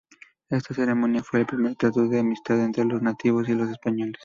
Esta ceremonia fue el primer tratado de amistad entre los nativos y los españoles.